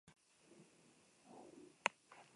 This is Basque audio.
Hori bai, ez du gehiago aurreratu.